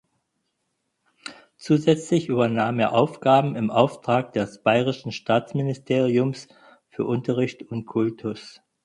Zusätzlich übernahm er Aufgaben im Auftrag des Bayerischen Staatsministeriums für Unterricht und Kultus.